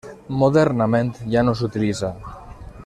Modernament ja no s'utilitza.